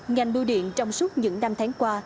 ngành bưu điện trong suốt những năm tháng qua